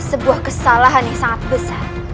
sebuah kesalahan yang sangat besar